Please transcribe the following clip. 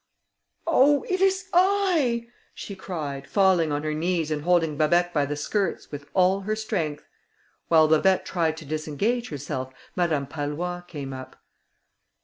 "Oh! it is I!" she cried, falling on her knees and holding Babet by the skirts with all her strength. While Babet tried to disengage herself, Madame Pallois came up.